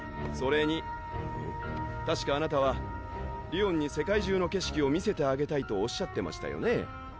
それに確かあなたはりおんに世界中の景色を見せてあげたいとおっしゃってましたよね？